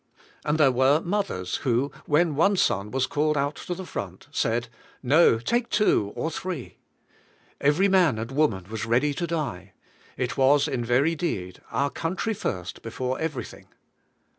And there were mothers who, when one son was called out to the front, said: "No, take two, three." Every man and woman was ready to die. It was in ver}/ deed "Our country first, before everything."